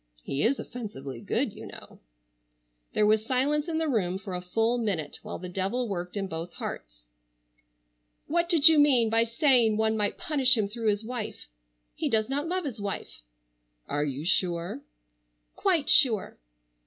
He is offensively good, you know." There was silence in the room for a full minute while the devil worked in both hearts. "What did you mean by saying one might punish him through his wife? He does not love his wife." "Are you sure?" "Quite sure."